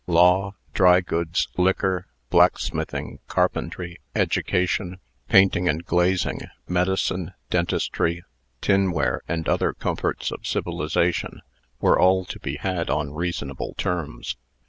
Law, drygoods, liquor, blacksmithing, carpentry, education, painting and glazing, medicine, dentistry, tinware, and other comforts of civilization, were all to be had on reasonable terms.